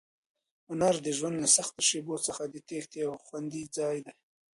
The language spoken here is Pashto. هنر د ژوند له سختو شېبو څخه د تېښتې یو خوندي ځای دی.